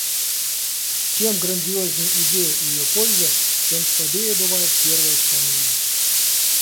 Чем грандиознее идея и ее польза, тем слабее бывает первое исполнение.